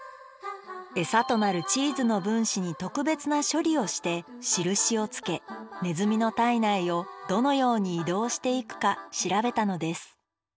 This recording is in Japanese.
餌となるチーズの分子に特別な処理をしてしるしをつけネズミの体内をどのように移動していくか調べたのです。